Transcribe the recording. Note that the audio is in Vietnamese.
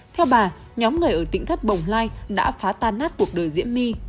theo bà nhóm người ở tỉnh thất bồng lai đã phá tan nát cuộc đời diễm my